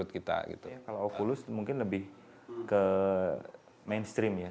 kalau oculus mungkin lebih ke mainstream ya